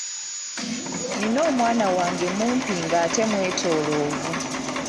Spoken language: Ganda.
Nnina omwana wange mumpi ng'ate mwetooloovu.